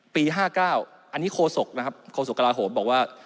ปี๕๙อันนี้โคศกนะครับโฆษกระลาโหมบอกว่า